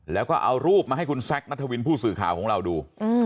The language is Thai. แล้วก็เอารูปมาให้คุณแซคนัทวินผู้สื่อข่าวของเราดู